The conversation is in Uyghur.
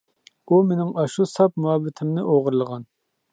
ئۇ مېنىڭ ئاشۇ ساپ مۇھەببىتىمنى ئوغرىلىغان.